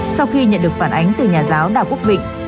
sau khi nhận được phản ánh từ nhà giáo đào quốc vịnh